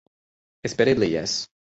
Espereble jes.